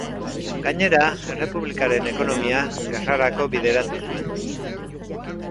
Gainera, errepublikaren ekonomia gerrarako bideratu zuen.